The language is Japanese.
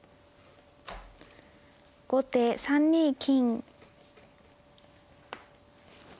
後手３二金。